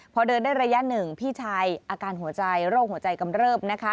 พอเดินได้ระยะหนึ่งพี่ชายอาการหัวใจโรคหัวใจกำเริบนะคะ